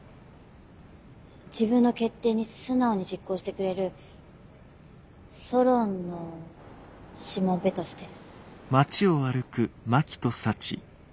自分の決定に素直に実行してくれるソロンのしもべとして。